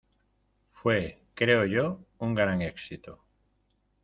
Fue, creo yo , un gran éxito.